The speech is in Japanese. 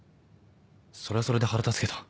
それはそれで腹立つけど